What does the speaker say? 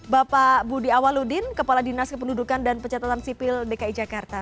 bapak budi awaludin kepala dinas kependudukan dan pencatatan sipil dki jakarta